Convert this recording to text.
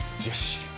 よし。